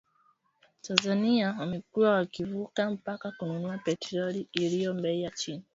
Tanzania wamekuwa wakivuka mpaka kununua petroli iliyo bei ya chini